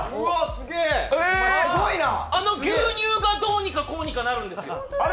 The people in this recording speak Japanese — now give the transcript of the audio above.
あの牛乳がどうにかこうにかなるんですよ。